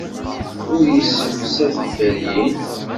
Ur yessemsad tiferyin.